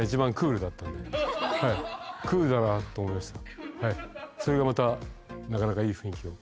はいクールだなと思いました